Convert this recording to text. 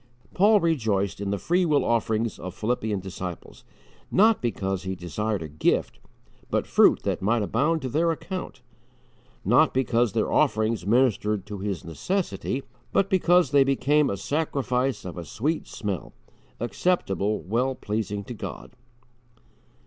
Paul rejoiced in the free will offerings of Philippian disciples, not because he desired a gift, but fruit that might abound to their account; not because their offerings ministered to his necessity, but because they became a sacrifice of a sweet smell acceptable, well pleasing to God.